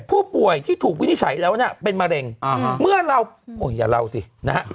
ผู้ป่วยที่ถูกวินิจฉัยแล้วเนี่ยเป็นมะเร็งเมื่อเราโอ้อย่าเล่าสินะฮะ